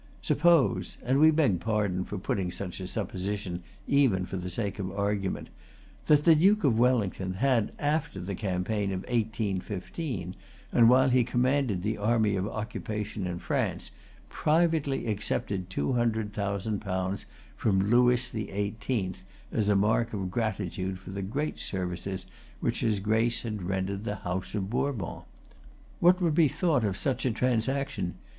Suppose,—and we beg pardon for putting such a supposition even for the sake of argument,—that the Duke of Wellington had, after the campaign of 1815, and while he commanded the army of occupation in France, privately accepted two hundred thousand pounds from Lewis the Eighteenth, as a mark of gratitude for the great services which his Grace had rendered to the House of Bourbon; what would be thought of such a transaction?